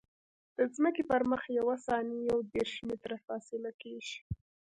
د ځمکې پر مخ یوه ثانیه یو دېرش متره فاصله کیږي